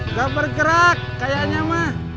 nggak bergerak kayaknya mah